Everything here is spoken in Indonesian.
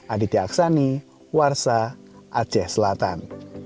aditya aksani warsa aceh selatan